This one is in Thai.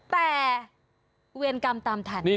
แต่เวียรกรรมตามทัน